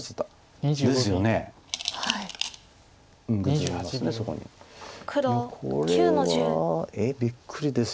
いやこれはびっくりです